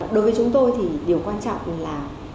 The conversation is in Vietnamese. đối với chúng tôi thì điều quan trọng là